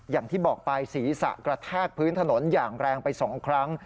อย่างที่บอกไปศีรษะกระแทกพื้นถนนอย่างแรงไป๒ครั้ง